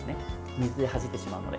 水ではじいてしまうので。